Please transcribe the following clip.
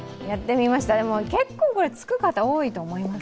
これ、結構つく方、多いと思います。